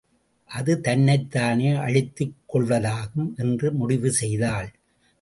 அது தன்னைத் தானே அழித்துக் கொள்வதாகும் என்று முடிவு செய்தாள்.